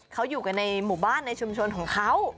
เขาอยู่กันในหมู่บ้านในชุมชนของเขา